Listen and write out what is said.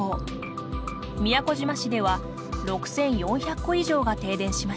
宮古島市では６，４００戸以上が停電しました。